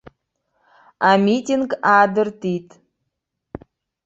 Амитинг аадыртит.